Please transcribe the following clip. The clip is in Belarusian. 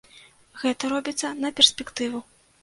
Гэта робіцца на перспектыву.